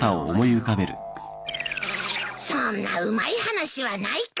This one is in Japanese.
そんなうまい話はないか。